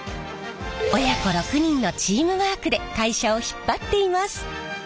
親子６人のチームワークで会社を引っ張っています。